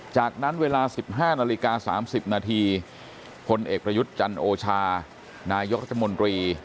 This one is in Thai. จากนั้นเวลา๑๕นาฬิกา๓๐นาทีพลเอกประยุทธ์จันโอชานายกรัฐมนตรี